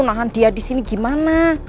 nahan dia disini gimana